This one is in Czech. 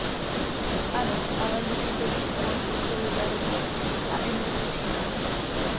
Ano, ale musí to být fond solidarity a investiční fond.